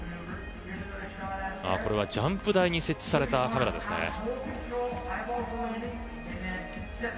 これはジャンプ台に設置されたカメラですね。